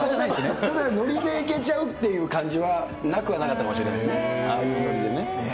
ただノリでいけちゃうっていう感じはなくはなかったかもしれないですね、ああいうノリでね。